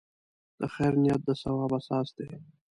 د خیر نیت د ثواب اساس دی.